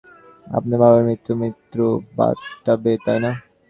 আপনার বাবার মৃত্যু মৃত্যু বাথটাবে, তাই না?